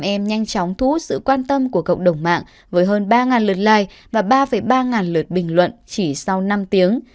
nam em nhanh chóng thú sự quan tâm của cộng đồng mạng với hơn ba lượt like và ba ba lượt bình luận chỉ sau năm tiếng